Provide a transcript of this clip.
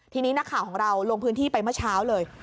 ทีนี้นักข่าวของเราลงพื้นที่ไปเมื่อเช้าเลย